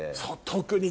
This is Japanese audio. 特に。